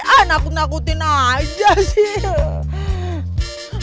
ah nakut nakutin aja sih